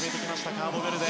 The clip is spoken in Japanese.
カーボベルデ。